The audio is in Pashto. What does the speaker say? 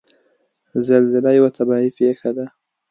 زلزله یوه طبعي پېښه ده.